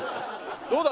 どうだ？